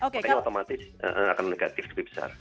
makanya otomatis akan negatif lebih besar